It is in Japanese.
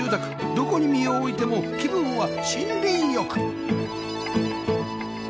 どこに身を置いても気分は森林浴